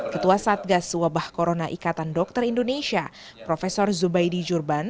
ketua satgas wabah corona ikatan dokter indonesia prof zubaidi jurban